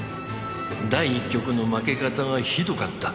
第一局の負け方が酷かった。